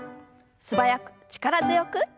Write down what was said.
素早く力強く。